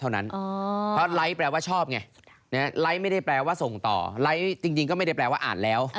ไลค์จริงก็ไม่ได้แปลว่าอ่านแล้ว